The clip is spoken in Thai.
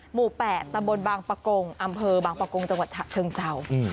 หมู่๘ตะบนบางปะกงอำเภอบางปะกงจังหวัดเชิงเซา